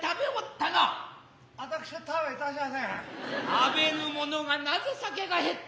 たべぬものがなぜ酒がヘッた。